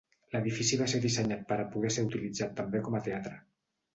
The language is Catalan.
L'edifici va ser dissenyat per a poder ser utilitzat també com a teatre.